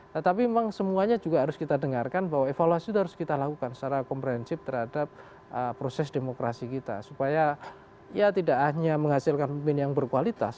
tetapi memang semuanya juga harus kita dengarkan bahwa evaluasi itu harus kita lakukan secara komprehensif terhadap proses demokrasi kita supaya ya tidak hanya menghasilkan pemimpin yang berkualitas